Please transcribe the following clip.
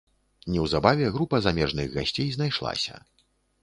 Неўзабаве група замежных гасцей знайшлася.